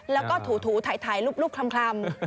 แล้วก็ถูถ่ายรูปคลำ